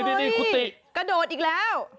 นี่คุณติกระโดดอีกแล้ว